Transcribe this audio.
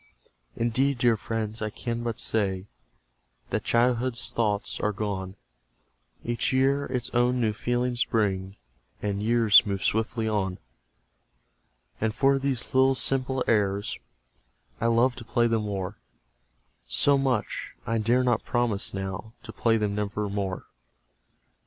"Indeed, dear friends, I can but say That childhood's thoughts are gone; Each year its own new feelings brings, And years move swiftly on: "And for these little simple airs I love to play them o'er So much I dare not promise, now, To play them never more."